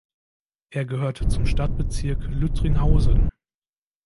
Er gehört zum Stadtbezirk Lüttringhausen.